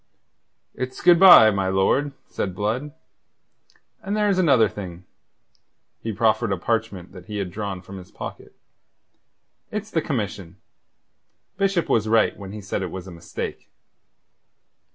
"It's good bye, my lord," said Blood. "And there's another thing." He proffered a parchment that he had drawn from his pocket. "It's the commission. Bishop was right when he said it was a mistake."